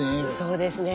そうですね。